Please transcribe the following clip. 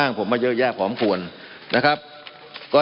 มันมีมาต่อเนื่องมีเหตุการณ์ที่ไม่เคยเกิดขึ้น